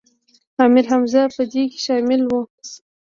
امیر حمزه په دې کې شامل و.